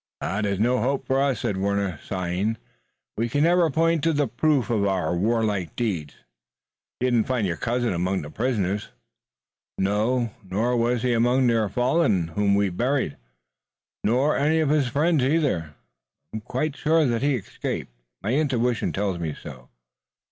"There's no hope for us," said Warner, sighing. "We can never point to the proof of our warlike deeds. You didn't find your cousin among the prisoners?" "No, nor was he among their fallen whom we buried. Nor any of his friends either. I'm quite sure that he escaped. My intuition tells me so."